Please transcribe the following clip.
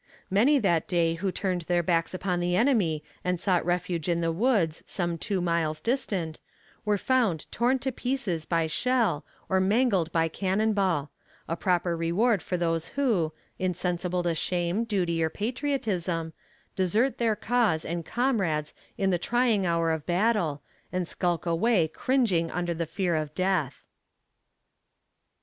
Many that day who turned their backs upon the enemy and sought refuge in the woods some two miles distant, were found torn to pieces by shell, or mangled by cannon ball a proper reward for those who, insensible to shame, duty, or patriotism, desert their cause and comrades in the trying hour of battle, and skulk away cringing under the fear of death.